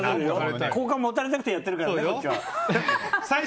好感も持たれたくてやってるからね、こっちは。